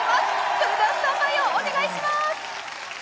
それではスタンバイお願いします。